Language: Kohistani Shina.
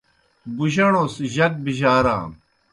بُجَݨوْ سہ جک بِجارانوْ۔